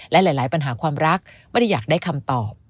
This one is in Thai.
และหลายปัญหาความรักไม่ได้อยากได้คำตอบ